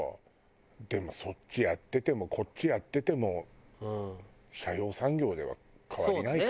でもそっちやっててもこっちやってても斜陽産業では変わりないか。